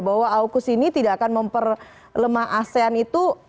bahwa aukus ini tidak akan memperlemah asean itu